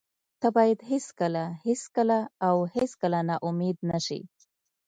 ته باید هېڅکله، هېڅکله او هېڅکله نا امید نشې.